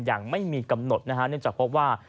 อย่างไม่มีกำหนดเนื่องจากเพราะว่า